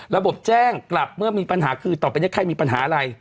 ระบบแจ้งกลับเมื่อมีปัญหาคือต่อไปนี้ใครมีปัญหาอะไร